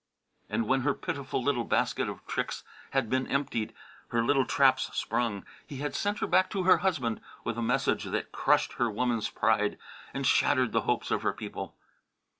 And when her pitiful little basket of tricks had been emptied, her little traps sprung, he had sent her back to her husband with a message that crushed her woman's pride and shattered the hopes of her people.